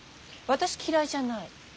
私嫌いじゃない。